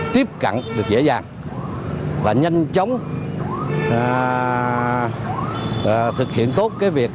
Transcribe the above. tiếp cận được dễ dàng và nhanh chóng thực hiện tốt cái việc